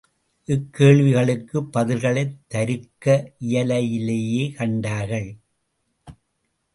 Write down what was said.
இக்கேள்விகளுக்கு பதில்களைத் தருக்க இயலிலேயே கண்டார்கள்.